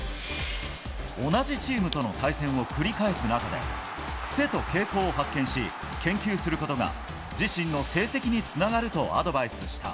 同じチームとの対戦を繰り返す中で、癖と傾向を発見し、研究することが、自身の成績につながるとアドバイスした。